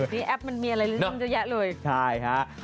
เป็นแอปมันมีอะไรที่เริ่มจะแยะลงอีกนะครับค่ะใช่ค่ะ